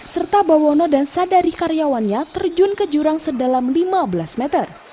serta bawono dan sadari karyawannya terjun ke jurang sedalam lima belas meter